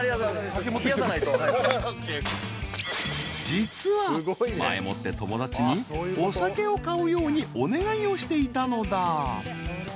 ［実は前もって友達にお酒を買うようにお願いをしていたのだ］